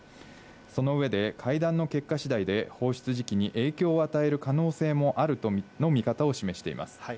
その上で会談の結果次第で放出時期に影響を与える可能性もあるとの見方を示しています。